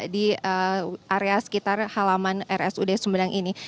di area sekitar halaman rsud sumedang ini